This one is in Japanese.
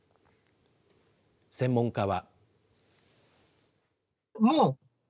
専門家は。